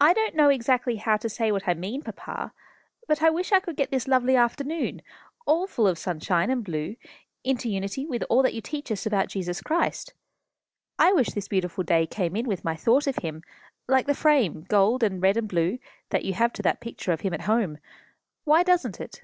"I don't know exactly how to say what I mean, papa, but I wish I could get this lovely afternoon, all full of sunshine and blue, into unity with all that you teach us about Jesus Christ. I wish this beautiful day came in with my thought of him, like the frame gold and red and blue that you have to that picture of him at home. Why doesn't it?"